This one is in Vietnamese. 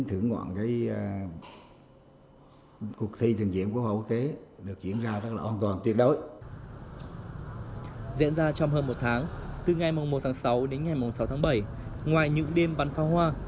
từ ngày một tháng sáu đến ngày sáu tháng bảy ngoài những đêm bắn pháo hoa